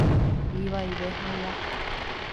Ivaive hag̃ua.